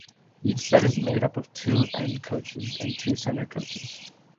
Each set is made up of two end coaches and two center coaches.